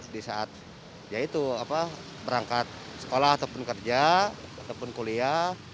di saat ya itu berangkat sekolah ataupun kerja ataupun kuliah